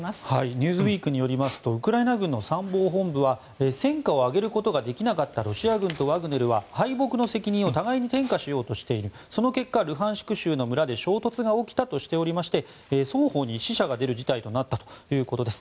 「ニューズウィーク」によりますとウクライナ軍の参謀本部は戦果を挙げることができなかったロシア軍とワグネルは敗北の責任を互いに転嫁しようとしているその結果、ルハンシク州の村で衝突が起きたとしておりまして双方に死者が出る事態となったということです。